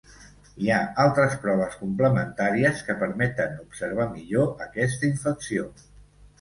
Hi ha altres proves complementàries que permeten observar millor aquesta infecció.